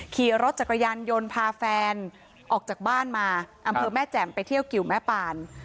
ขี่รถจักรยานยนต์พาแฟนออกจากบ้านมาอำเภอแม่แจ่มไปเที่ยวกิวแม่ปาน